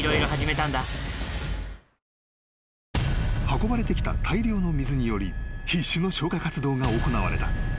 ［運ばれてきた大量の水により必死の消火活動が行われた］